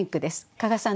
加賀さん